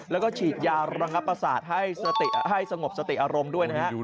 แล้วก็ฉีดยารังประศาจให้สมบสติอารมณ์ด้วยนะครับ